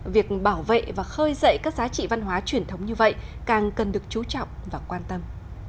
việc bảo vệ và khơi dậy các giá trị văn hóa truyền thống như vậy càng cần được chú trọng và quan tâm